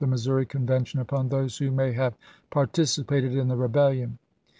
Missouri Convention upon those who may have par ticipated in the rebellion.'